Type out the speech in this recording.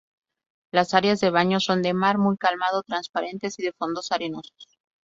Las áreas de baño son de mar muy calmado, transparentes y de fondos arenosos.